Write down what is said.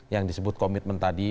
yang disebut komitmen tadi